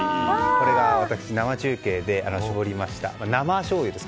これが私、生中継で絞りましたなましょうゆです。